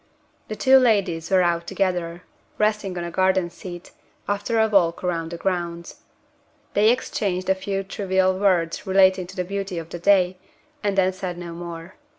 The two ladies were out together; resting on a garden seat, after a walk round the grounds. They exchanged a few trivial words relating to the beauty of the day, and then said no more.